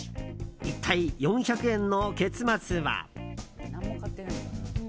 一体４００円の結末は。